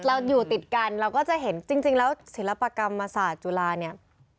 เราอยู่ติดกันเราก็จะเห็นจริงแล้วศิลปกรรมศาสตร์จุฬาเนี่ย